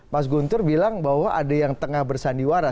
mas guntur bilang bahwa ada yang tengah bersandiwara